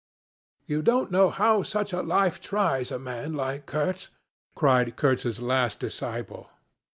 'You don't know how such a life tries a man like Kurtz,' cried Kurtz's last disciple.